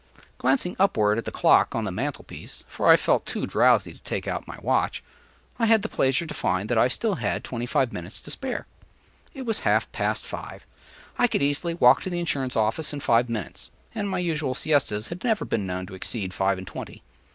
Glancing upward at the clock on the mantel piece, (for I felt too drowsy to take out my watch), I had the pleasure to find that I had still twenty five minutes to spare. It was half past five; I could easily walk to the insurance office in five minutes; and my usual siestas had never been known to exceed five and twenty.